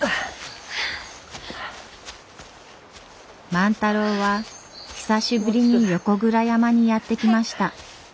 万太郎は久しぶりに横倉山にやって来ました。